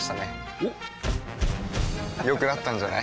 おっ良くなったんじゃない？